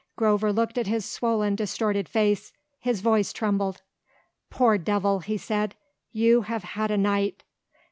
Grover looked at his swollen, distorted face. His voice trembled. "Poor devil!" he said. "You have had a night!"